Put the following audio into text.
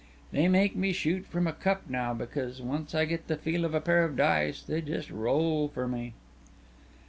They make me shoot from a cup now because once I get the feel of a pair of dice they just roll for me."